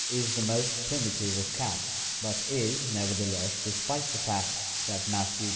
A; 185) is the most primitive of cats, but is, nevertheless, despite the fact that Matthew places Fig.